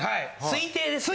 推定です。